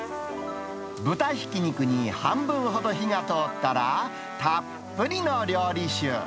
豚ひき肉に半分ほど火が通ったら、たっぷりの料理酒。